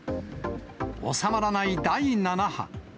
収まらない第７波。